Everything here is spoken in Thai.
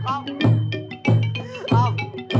ครอบ